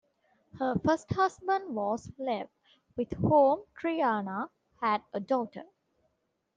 Her first husband was Lev, with whom Triana had a daughter.